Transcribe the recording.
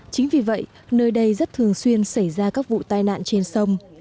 chính vì vậy nơi đây rất thường xuyên xảy ra các vụ tai nạn trên sông